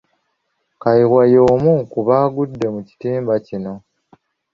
Kayiwa y’omu ku baagudde mu kitimba kino.